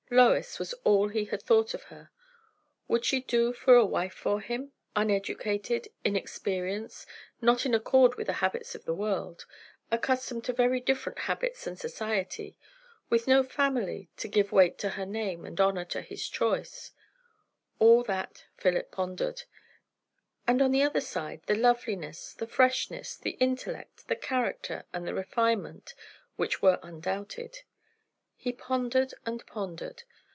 Lois was all he had thought of her. Would she do for a wife for him? Uneducated inexperienced not in accord with the habits of the world accustomed to very different habits and society with no family to give weight to her name and honour to his choice, all that Philip pondered; and, on the other side, the loveliness, the freshness, the intellect, the character, and the refinement, which were undoubted. He pondered and pondered.